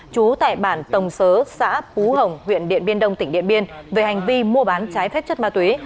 trú tại bản tổng sớ xã phú hồng huyện điện biên đông tỉnh điện biên về hành vi mua bán trái phép chất ma túy